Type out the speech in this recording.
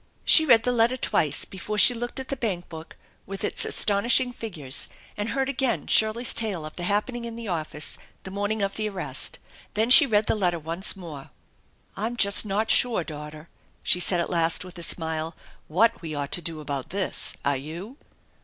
She read the letter twice before she looked at the bank book with its astonishing figures, and heard again Shirley's tale of the happening in the office the morning of the arrest. Then she read the letter once more. " I'm not just sure, daughter/' she said at last with a smile, " what we ought to do about this. Are you?